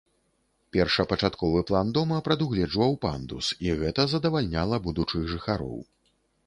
Першапачатковы план дома прадугледжваў пандус, і гэта задавальняла будучых жыхароў.